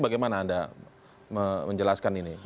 bagaimana anda menjelaskan ini